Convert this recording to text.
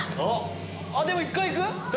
でも１回行く？